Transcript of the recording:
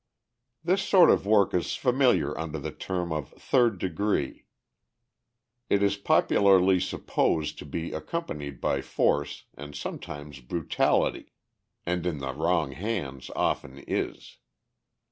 This sort of work is familiar under the term of "third degree." It is popularly supposed to be accompanied by force and sometimes brutality—and in wrong hands often is.